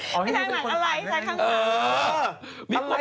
อ๋อไม่ใช่หลังอะไรใช่ข้างหลัง